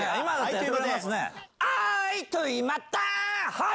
はい！